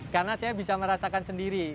karena saya bisa merasakan sendiri